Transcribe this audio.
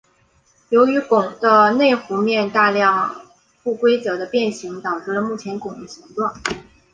由于拱的内弧面大量不规则的变形导致了目前拱的形状。